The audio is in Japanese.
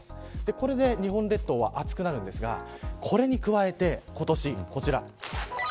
これで、日本列島は暑くなるんですがこれに加えて、今年はこちら。